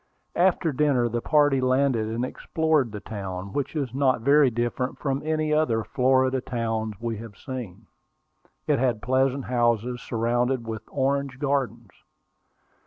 After dinner the party landed and explored the town, which is not very different from any other Florida towns we had seen. It had pleasant houses, surrounded with orange gardens.